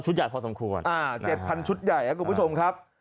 ใหญ่พอสมควร๗๐๐ชุดใหญ่ครับคุณผู้ชมครับ